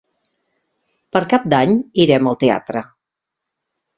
Per Cap d'Any irem al teatre.